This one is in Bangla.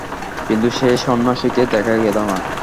কিন্তু সে সন্ন্যাসীকে দেখা গেল না।